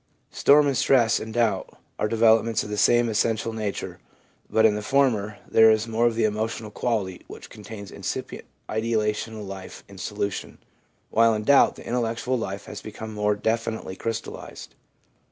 1 Storm and stress and doubt are developments of the same essential nature, but in the former there is more of the emotional quality which contains incipient ideational life in solution, while in doubt the intellectual life has become more definitely crystallised.